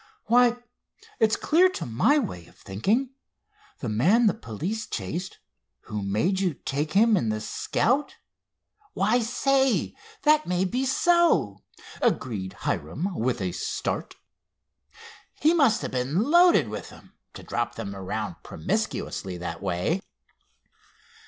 "Why, it's clear, to my way of thinking. The man the police chased, who made you take him in the Scout——" "Why, say, that may be so," agreed Hiram with a start. "He must have been loaded with them, to drop them around promiscuously that way."